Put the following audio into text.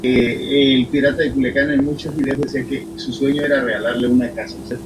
A continuación se muestran los entrenadores que fueron campeones de Costa Rica por temporadas.